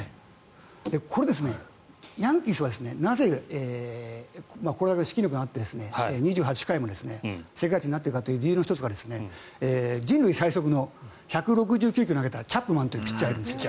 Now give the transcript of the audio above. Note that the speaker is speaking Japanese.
これ、ヤンキースはなぜこれだけの資金力があって２８回も世界一になっているかという理由の１つが人類最速の１６９ｋｍを投げたチャップマンというピッチャーがいるんですよ。